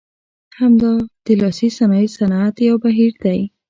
همدا د لاسي صنایع صنعت یو بهیر دی.